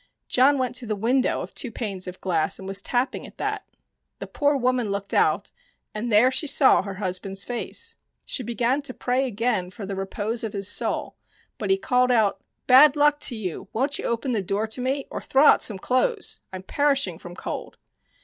John went to the window of two panes of glass and was tapping at that. The poor woman looked out, and there she saw her husband's face. She began to pray again for the repose of his soul, but he called out :" Bad luck to you, won't you open the door to me or throw out some clothes ? I am perishing from cold."